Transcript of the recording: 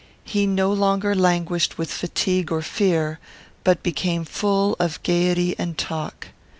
He no longer languished with fatigue or fear, but became full of gayety and talk.